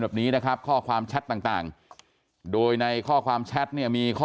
แบบนี้นะครับข้อความแชทต่างโดยในข้อความแชทเนี่ยมีข้อ